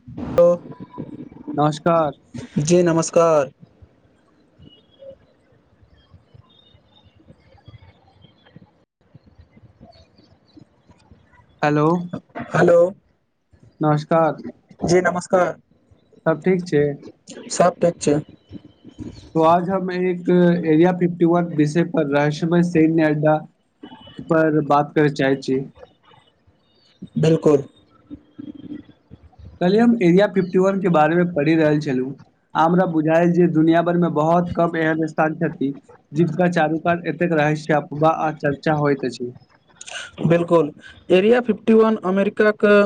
[unintelligible] नमस्कार जी नमस्कार हेलो हेलो नमस्कार जी नमस्कार सब ठीक छै सब ठीक छै त आज हम एक एरिया फिफ्टी वन विषय पर रहस्यमय सैन्य अड्डा पर बात करै चाहे छी बिल्कुल कहले हम एरिया फिफ्टी वन के बारे मे पढ़ि रहल छलु हमरा बुझायल जे दुनिया भर मे बहुत कम एहन स्थान छथि जिनका चारु कात एतेक रहस्य बा आ चर्चा होइत अछि बिल्कुल एरिया फिफ्टी वन अमेरिकाे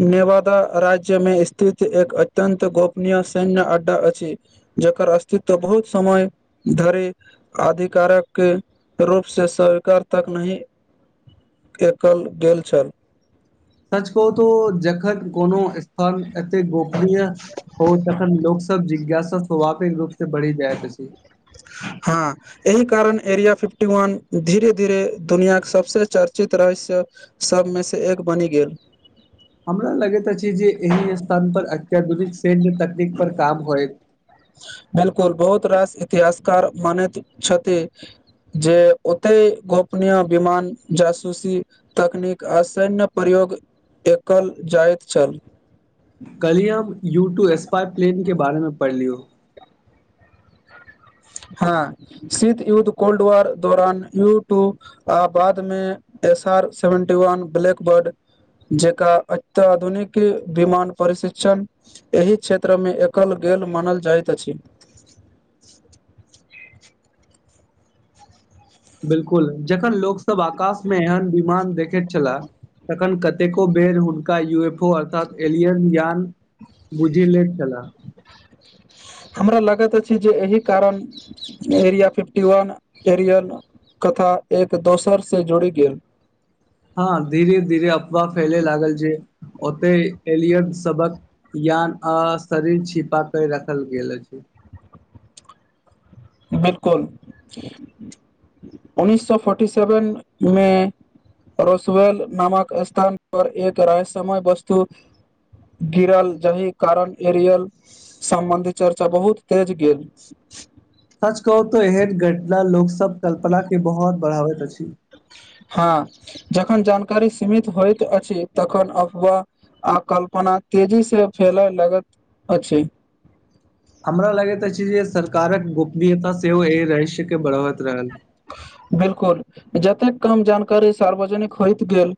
नेवादा राज्य मे स्थित एक अत्यन्त गोपनीय सैन्य अड्डा अछि जकर अस्तित्व बहुत समय धरे आधिकारक के रूप से सरकार तक नहि एकल गेल छल सच कहू तो जखन कोनो स्थान एते गोपनीय हो तखन लोक सब सब जिज्ञासा स्वभाविक रूप से बढ़ी जायत अछि हँ एहि कारण एरिया फिफ्टी वन धीरे-धीरे दुनियाके सबसे चर्चित रहस्य सबमे सॅं एक बनि गेल। हमरा लगैत अछि जे एहि स्थान पर अत्याधुनिक सैन्य तकनीक पर काम होय। बिल्कुल बहुत रास इतिहासकार मानैत छथि, जे ओतय गोपनीय विमान जासूसी तकनीक आ सैन्य प्रयोग एकल जाइत छल। काल्हिए हम यू टू स्पा प्लान के बारेमे पढ़ लियौ। हँ शीत युद्ध, कोल्ड-वार दौरान यू-ट्यूब आ बादमे S R seventy one Blackbird जेकाॅं अत्याधुनिक विमान परिशिक्षण एहि क्षेत्रमे एकल गेल मानल जाइत अछि। [inaudible] बिल्कुल, जखन लोक सभ आकाशमे एहन विमान देखैत छलाह तखन कतेको बेर हुनका यू एफ ओ अर्थात एलियन ज्ञान बुझि लैत छला हमरा लगैत अछि जे एहि कारण एरिया फिफ्टी वन एरियन कथा एक दोसरसॅं जुड़ि गेल हँ, धीरे-धीरे अफवाह फैले लागल छै ओते एलियन सभक यान आ शरीर छिपाकऽ राखल गेल अछि बिल्कुल उन्नस सय फोर्टी सेवनमे रोस्वेल नामक स्थान पर एक रहस्यमय-वस्तु गिरल जाहि कारण एरियल संबंधी चर्चा बहुत तेज गेल सच कहू तो एहन घटना लोक सब कल्पनाकेॅं बहुत बढ़ाबैत अछि हँ जखन जानकारी सीमित होइत अछि तखन अफवाह आ कल्पना तेजी से फैलऽ लगैत अछि हमरा लगैत अछि जे सरकारक गोपनीयता सेहो एहि रहहिस्यके बढ़बैत रहल बिल्कुल, जतेक कम जानकारी सार्वजनिक होइत गेल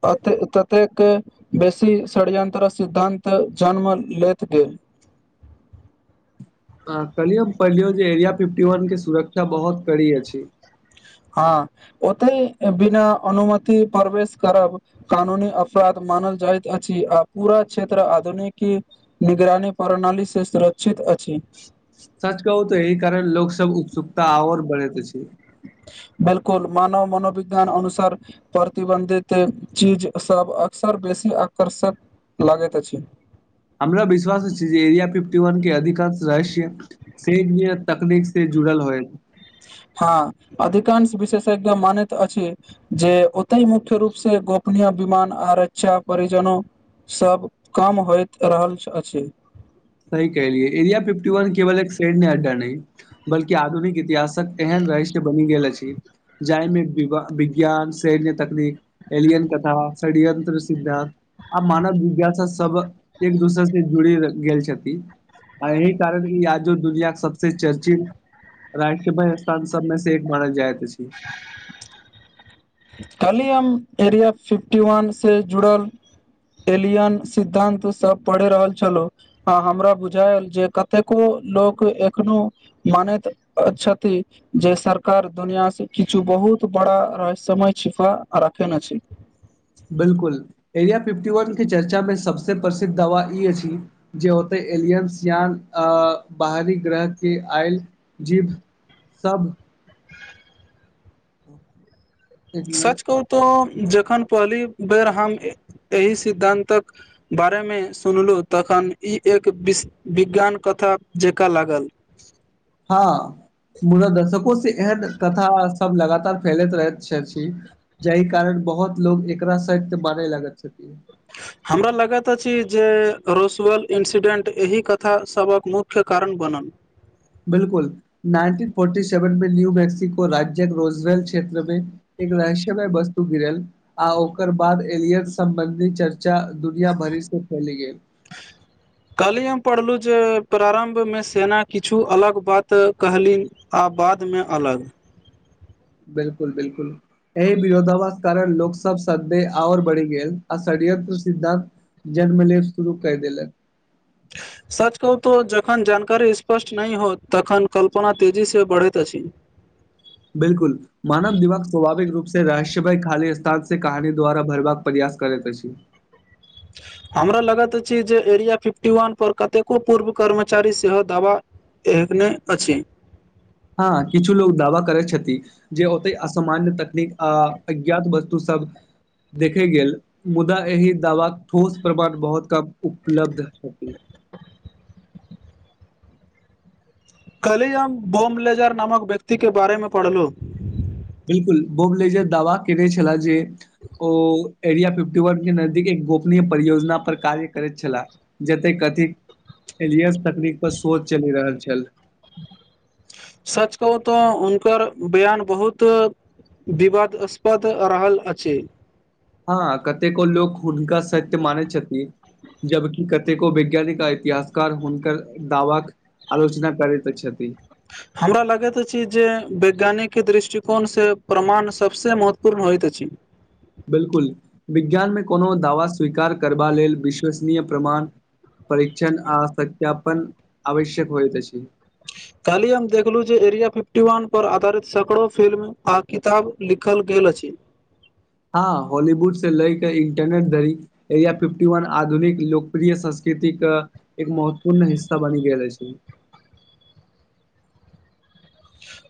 [unintelligible] ततेक बेसी षडयंत्र सिद्धान्त जन्म लेैत गेल काल्हियो हम पढ़लियो जे एरिया फिफ्टी वनके सुरक्षा बहुत कड़ी अछि हँ, ओतहि बिना अनुमति प्रवेश करब कानूनी अपराध मानल जाइत अछि आ पूरा क्षेत्र आधुनिकी निगरानी प्रणालीसे सुरक्षित अछि सच कहू तॅं एहि कारण लोक सभ उत्सुकता आओर बढ़ैत अछि बिल्कुल मानव मनोविज्ञान अनुसार प्रतिबन्धित चीज सब अक्सर बेसी आकर्षक लागैत अछि हमरा विश्वास छी जे एरिया फिफ्टी वनके अधिकांश रहस्य से [unintelligible] तकनीकसे जुड़ल होइ हँ अधिकांश विशेषज्ञ मानैत अछि जे ओतहि मुख्य रूपसॅं गोपनीय विमान आ रक्षा परिजनो सब कम होइत रहल अछि सही कहलियै, एरिया फिफ्टी वन केवल एक शेड अड्डा नहि, बल्कि आधुनिक इतिहासक एहन रहस्य बनि गेल अछि, जाइमे वि विज्ञान सैन्य तकनीक एलियन तथा षड्यत्र सिद्धान्त आ मानव जिज्ञासा सब एक दोसर से जुड़ी गेल छथि आ ऐही कारण आ जो दुनिया सबस चर्चित रष्ट्री ब स्थान सब मे से एक मानल जाइत अछि छै कालि हम एरिया फिफटी वन से जुड़ल एलियन सिद्धांत सब पढ़ि रहल छलो आ हमरा बुझायल जे कतेको लोक एखनो मानैत छथि जे सरकार दुनिया से किछु बहुत बड़ा रहस्य समय छिपा रखैन अछि बिल्कुल एरिया फिफ्टी वन के चर्चा मे सबसे प्रसिद्ध दवा ई अछि जे ओते एलियंस यान अ बाहरी ग्रह के आयल जीभ सब [inaudible] एक मिनट सच कहू तऽ जखन पहली बेर हम एहि सिद्धान्तक बारे में सुनलहुँ तखन ई एक विस विज्ञान कथा जेकाँ लागल हँ मुदा दसको से एहन कथा सब लगातार फैलैत रहैत छछी जाहि कारण बहुत लोग एकरा सक्त माने लगत छथिन हमरा लगैत अछि जे रोसअल इन्सिडेंट एहि कथासभक मुख्य मुख्य कारण बनल बिल्कुल नाइनटीन फोर्टी सेवन मे न्यू मैक्सिको राज्यक रोजवेल क्षेत्रमे एक रहस्य मय वस्तु गिरल आ ओकर बाद एलियन सम्बन्धी चर्चा दुनिया भरि से फैल गेल [inaudible] कलही हम पढ़लू जे प्रारम्भ मे सेना किछु अलग बात कहलिन आ बाद में अलग बिल्कुल बिल्कुल एहि विरोधावास कारण लोकसभ संदेह और बढ़ि गेल आ षड्यंत्र सिद्धान्त जन्म लेब शुरू क देलक सच कहूत जखन जानकारी स्पष्ट नहि होत तखन कल्पना तेजी से बढ़ैत अछि बिल्कुल मानव दिमाग स्वभाविक रूप से रहस्य भाय खाली स्थान से कहानी द्वारा भरबाक प्रयास करैत छी हमरा लगैत अछि जे एरिया फिफ्टी वन पर कतेको पूर्व कर्मचारी सेहो दवा [unintelligible] अछि हँ किछु लोग दावा करै छथि जे ओते असामान्य तकनीक अऽ अज्ञात वस्तु सब देखे गेल मुदा एहि दावाक ठोस प्रमाण बहुत कम उपलब्ध [inaudible] कलीह हम बोम्लेजर नामक व्यक्ति के बारे मे पढ़लहुँ बिल्कुल बोम्बलेजर दावा केने छे जे ओ एरिया फिफ्टी वन के नजदीक एक गोपनीय परियोजना पर कार्य करैत छलाह जतेक कथित एलियंस तकनीकी पर शोध चलि रहल छल सच कहू तऽ हुनकर बयान बहुत विवादास्पद रहल अछि हाँ कतेको लोक हुनका सत्य मानै छथीन जबकि कतेको वैज्ञानिक आ इतिहासकार हुनक दवा क आलोच ना करैत छति हमरा लगैत अछि जे वैज्ञानिकके दृष्टिकोणसे प्रमाण सबसे महत्वपूर्ण होइत अछि बिलकुल विज्ञानमे कोनो दावा स्वीकार करबा लेल विश्वसनीय प्रमाण परीक्षण आ सत्यपन आवश्यक होइ त अछि काल्हि हम देखलूँ जे एरिया फिफ्टी वन पर आधारित सैकड़ो फिल्म आ किताब लिखल गेल अछि हँ हॉलीवुड से लए के इंटरनेट धरि एरिया फिफ्टी वन आधुनिक लोकप्रिय संस्कृतिक एक महत्वपूर्ण हिस्सा बनि गेल अछि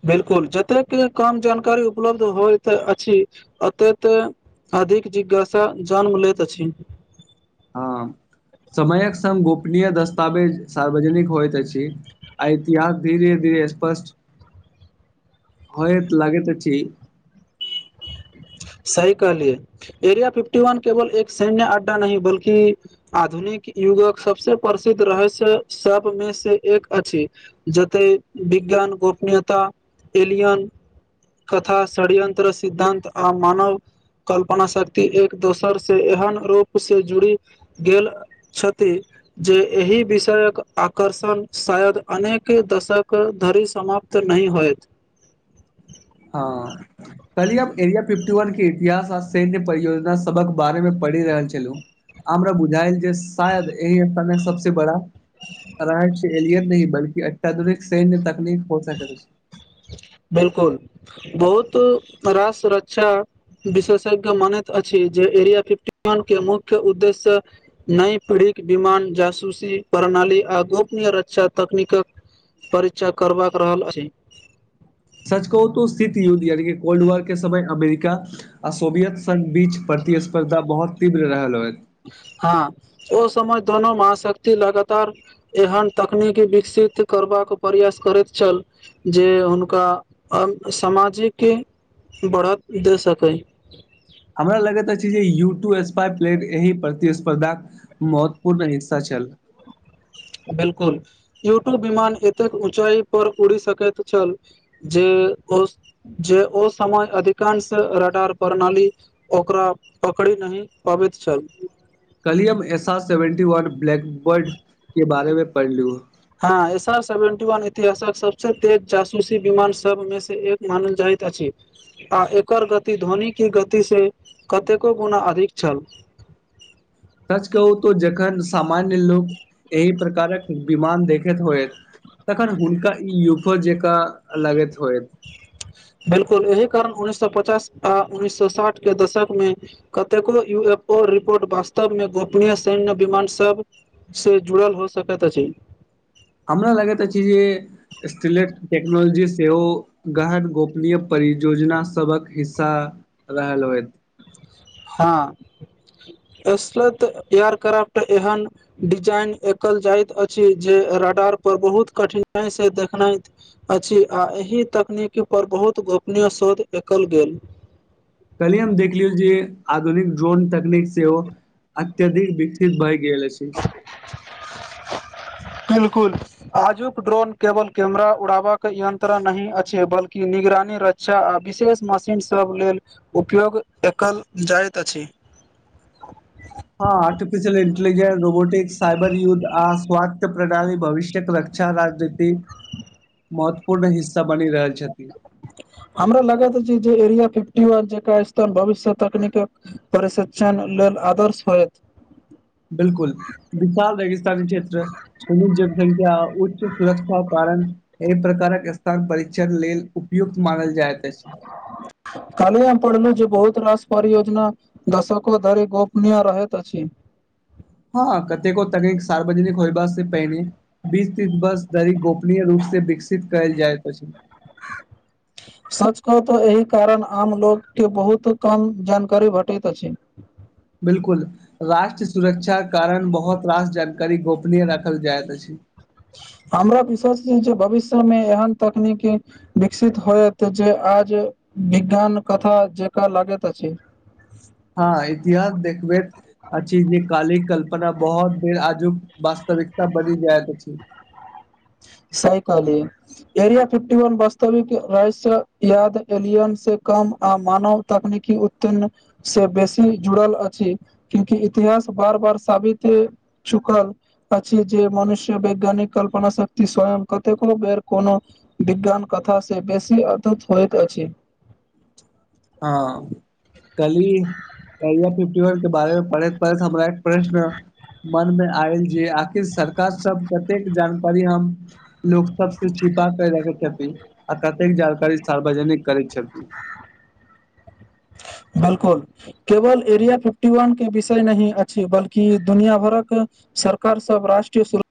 बिलकुल जतेक काम जानकारी उपलब्ध होइत अछि ओतत अधिक जिज्ञासा जन्म लैत अछि हँ समयक सङ्ग गोपनीय दस्तावेज सार्वजनिक होइत अछि आ इतिहास धीरे धीरे स्पष्ट होयत लागैत अछि सही कहलिय एरिया फिफ्टी वन केवल एक सैन्य अड्डा नहि बल्कि आधुनिक युगक सबस प्रसिद्ध रहस्य सबमे से एक अछि जते विज्ञान गोपनीयता एलियन कथा षड्यंत्र सिद्धान्त आ मानव कल्पना शक्ति एक दोसर से एहन रूप से जुड़ी गेल छति जे एहि विषयक आकर्षण शायद अनेक दशक धरि समाप्त तऽ नहि होयत हँ कली हम एरिया फिफ्टी वन के इतिहास आ सैन्य परियोजना सबक बारेमे पढ़ि रहल छलू हमरा बुझायल जे शायद एहि स्तमे सबस बड़ा रहै एलियत नहि बल्कि अत्याधुनिक सन्य तकनीक हो सकै बिलकुल बहुत तरा सुरक्षा विशेषज्ञ मानैत अछि जे एरिया फिफ्टी वन के मुख्य उद्देश्य नई पीढ़ीक विमान जासूसी प्रणाली आ गोपनीय रक्षा तकनीकक परीक्षा करबाक रहल अछि सच कहू तऽ सथित युद्ध यानि कि कोल्ड वॉर के समय अमेरिका आ सोभियत सङ्घ बीच प्रतिस्पर्धा बहुत तीव्र रहल होइत हँ ओ समय दनो महशक्ति लगातार एहन तकनीकी विकसित करबाक प्रयास करैत चल जे हुनका अलप सामाजिकि बढ़त दे सकय हमरा लगैत अछि जे यू टू स्पा प्लेट एहि प्रतिस्पर्धा महत्वपूर्ण हिस्सा चल बिलकुल यूटू विमान एतेक ऊँचाई पर उड़ी सकैत चल जे ओ जे ओ समय अधिकांश रेडार पर ना ली ओकरा पकड़ि नहि पबैत चल कलियम एस आ सेवन्टी वन ब्लैकबर्ड के बारेमे पढ़ लू हँ एस आर सेवेन्टी वन इतिहासक सबस तेज जासूसी विमान सब मे से एक मानल जाइत अछि आ एकर गति ध्वनिके गतिसे कतेको गुना अधिक चल सच कहू तो जखन सामान्य लोक एहि प्रकारक विमान देखैत होयत तखन हुनका ई युको जेका लागैत होएत बिलकुल एहि कारण उन्नैस सए पचास आ उन्नैस सए साठ के दशक मे कतेको यू एफ ओ रिपोर्ट वास्तव में गोपनीय सैन्य विमान सब से जुड़ल हो सकैत अछि हमरा लागैत छी जे स्ट टेक्नोलॉजी सेहो गहन गोपनीय परियोजना सबक हिस्सा रहल होइत हँ असलत एयर क्राफ्ट एहन डिजाइन एकल जाइत अछि जे रडार पर बहुत कठिनाइ से देखनाइत अछि आ एहि तकनीकीपर बहुत गोपनीय शोध एकल गेल कल्हि हम देख लियौ जे आधुनिक ड्रोन तकनीक सेहो अत्यधिक विकसित भए गल अछी बिलकुल आजुक ड्रोन केबल कैमरा उड़ाबबाक यन्त्र नहि अछि बल्कि निगरानी रच आ विशेष मशीनसब लेल उपयोग एकल जाइत अछि हँ आर्टिफिशियल इन्टेेलिजेंस रोबोटिक्स साइबर युद् आ स्वात प्रणाली भविष्यक रख अच्छा राज्यति [unintelligible] महत्वपूर्ण हिस्सा बनि रहल छथि हमरा लागैत जे एरिया फिफ्टी व भविष्य तकनीकक परेश्चन लेल आदर्श होयत बिलकुल विशाल रेगिस्तानी क्षेत्र सुम जनसंख्या उच्च सुरक्षा कारण एहि प्रकारक स्थान परीक्षण लेल उपयुक्त मानल जायत अछि काली हम पढ़लु जे बहुत रास पर योजना दशक धरि गोपनीय रहैत अछि हँ कतेको तक सार्वजनिक होयब से पहिने बीस ती बस धरी गोपनीय रूप से विकसित कल जाइ प [inaudible] सच कहु तऽ एहि कारण आम लोगके बहुत कम जानकारी भेटैत अछि बिल्कुल राष्ट्र सुरक्षाक कारण बहुत रास जानकारी गोपनीय राखल जाइत अछि हमरा विशय जे भविष्य में एहन तकनीकी विकसित होयत जे आज विज्ञान कथा जेक लागैत अछि हँ इतिहास देखबै आ चीज काली कल्पना बहुत देर आजु वास्तविकता बनि जायक छै सइ कहलिय एरिया फिफ्टी वन वास्तविक र्र याद एलियन से कम आ मानव तखने कि उत्यन् से बेसी जुड़ल अछि क्योकी इतिहास बार बार साबित चुखल अ छै जे मनुष्य वैज्ञानिक कल्पना स स्वयं कतेको बेर कोनो विज्ञान कथा से बेसी अद्भुत होइत अछि हँ कली कलय फिफ्टी वन के बारे में पढ़ैत पढ़ हमरा एक प्रश्न मन में आयल जे आखिर सरकार सब कतेक जानकारी हम लोक सबस छिपा कर रखे छथिन आ कतेक जानकारी सार्वजनिक करै छथिन बिलकुल केवल एरिया फिफ्टी वन के विषय नही अछि बल्कि दुनिया भरक सरकार सब राष्ट्रीय सुर